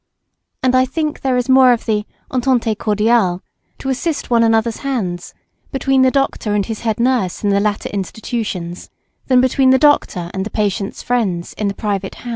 And I think there is more of the entente cordiale to assist one another's hands between the doctor and his head nurse in the latter institutions, than between the doctor and the patient's friends in the private house.